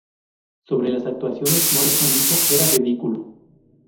Sobre las actuaciones, Morrison dijo: "Era ridículo.